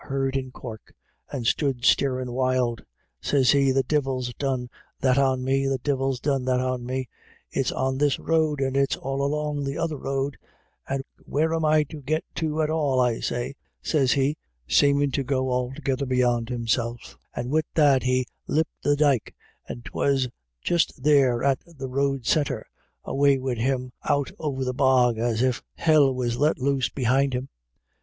177 heard in Cork, and stood starin' wild. Sez he: * The divil's done that on me ; the divil's done that on me. It's on this road, and it's all along the other road — and where am I to git to out of it ? Where am I to git to at all, I say ?' sez he, seemin* to go altogether beyond himself; and wid that he lep' the dyke — 'twas just there at the road corner — and away wid him out over the bog as if Hell was let loose behind him.